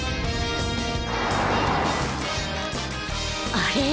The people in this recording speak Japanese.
あれ？